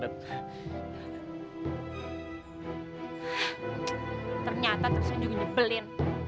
ternyata terusnya dia nyebelin